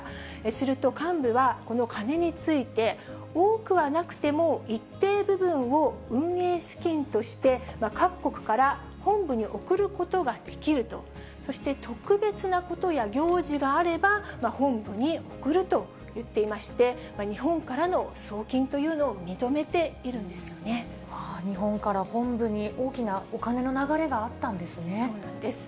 すると幹部は、このカネについて、多くはなくても、一定部分を運営資金として各国から本部に送ることができると、そして特別なことや行事があれば、本部に送るといっていまして、日本からの送金というのを認めて日本から本部に大きなお金のそうなんです。